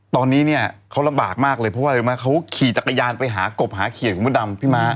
ตอนนี้เนี่ยเขาลำบากมากเลยเพราะว่าอะไรรู้ไหมเขาขี่จักรยานไปหากบหาเขียดคุณพ่อดำพี่ม้า